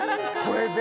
これで？